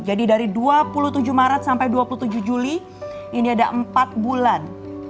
jadi dari dua puluh tujuh maret sampai dua puluh tujuh juli ini ada empat bulan